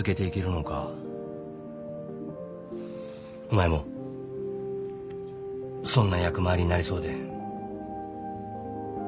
お前も損な役回りになりそうで。